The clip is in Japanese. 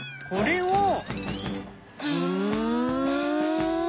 これを。